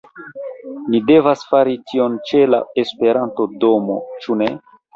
Ni devas fari tion ĉe la Esperanto-domo, ĉu ne?